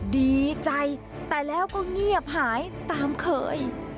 ดีใจแต่แล้วก็เงียบหายตามเคย